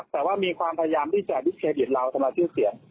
แต่ว่ามีความพยายามที่จะดิเครดิตเราทำลายชื่อเสียง